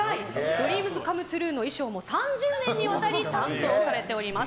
ＤＲＥＡＭＳＣＯＭＥＴＲＵＥの衣装も３０年にわたり担当されております。